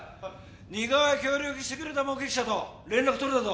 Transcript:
似顔絵協力してくれた目撃者と連絡取れたぞ。